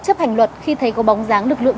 chấp hành luật khi thấy có bóng dáng lực lượng